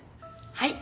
はい。